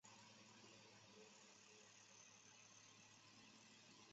都能细化落到每一个检察院、每一个办案部门和每一位检察官